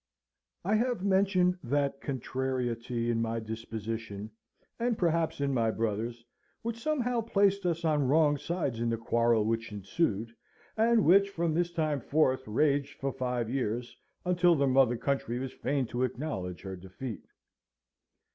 I have mentioned that contrariety in my disposition, and, perhaps, in my brother's, which somehow placed us on wrong sides in the quarrel which ensued, and which from this time forth raged for five years, until the mother country was fain to acknowledge her defeat.